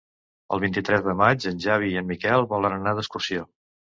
El vint-i-tres de maig en Xavi i en Miquel volen anar d'excursió.